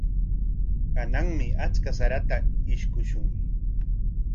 Kananmi achka sarata ishkushun.